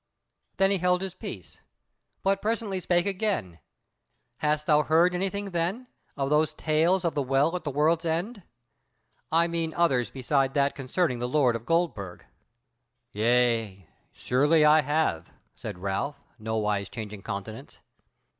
Then he held his peace, but presently spake again: "Hast thou heard anything, then, of those tales of the Well at the World's End? I mean others beside that concerning the lord of Goldburg?" "Yea, surely I have," said Ralph, nowise changing countenance.